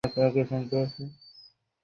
এমন কথা বলিস না।